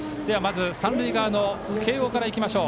三塁側の慶応からいきましょう。